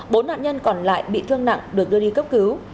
bốn nạn nhân còn lại bị thương nặng được đưa đi cấp cứu